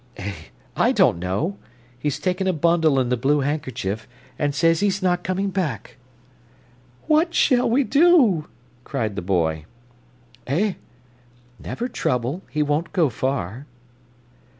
"Eh, I don't know. He's taken a bundle in the blue handkerchief, and says he's not coming back." "What shall we do?" cried the boy. "Eh, never trouble, he won't go far."